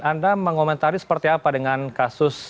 anda mengomentari seperti apa dengan kasus